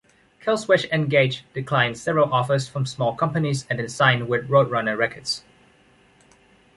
Killswitch Engage declined several offers from small companies and then signed with Roadrunner Records.